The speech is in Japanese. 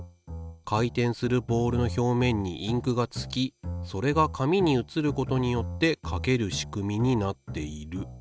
回転するボールの表面にインクがつきそれが紙に移ることによって書ける仕組みになっている」。